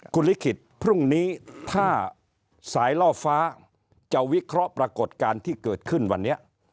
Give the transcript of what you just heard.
คุณลิขิตพรุ่งนี้ถ้าสายล่อฟ้าจะวิเคราะห์ปรากฏการณ์ที่เกิดขึ้นวันนี้